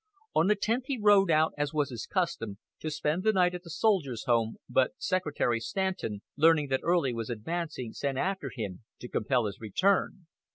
On the tenth he rode out, as was his custom, to spend the night at the Soldiers' Home, but Secretary Stanton, learning that Early was advancing, sent after him, to compel his return.